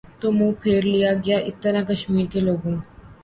تو منہ پھیر لیا گیا اس طرح کشمیر کے لوگوں